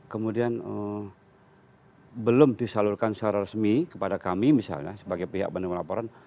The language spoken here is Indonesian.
kemudian belum disalurkan secara resmi kepada kami misalnya sebagai pihak penerima laporan